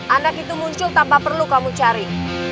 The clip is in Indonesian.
anak itu muncul tanpa perlu kamu cari